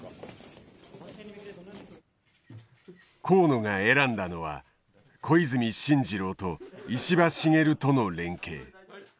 河野が選んだのは小泉進次郎と石破茂との連携。